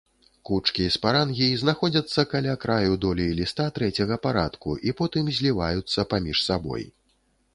Кучкі спарангій знаходзяцца каля краю долей ліста трэцяга парадку і потым зліваюцца паміж сабой.